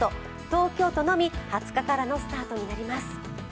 東京都のみ２０日からのスタートになります。